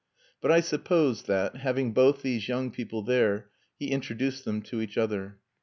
But I supposed that, having both these young people there, he introduced them to each other.